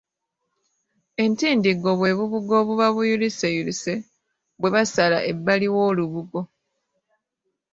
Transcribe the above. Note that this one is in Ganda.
Entindiggo bwe bubugo obuba buyuliseyulise bwe basala ebbali w'olubugo.